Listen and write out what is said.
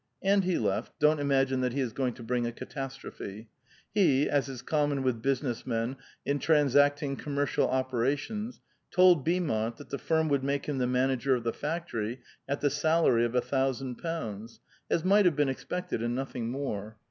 (And he left ; don't imagine that he is going to bring a catastrophe. He, as is common with business men in transacting commercial opera tions, told Beaumont that the firm would make him the man ager of the fnctory, at the salary of a thousand pounds, as might have been expected, and nothing more.